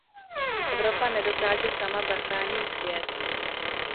Evropa nedokáže sama zachránit svět.